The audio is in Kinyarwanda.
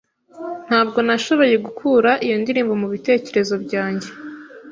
Ntabwo nashoboye gukura iyo ndirimbo mubitekerezo byanjye.